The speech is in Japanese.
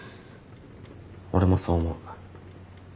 俺もそう思う。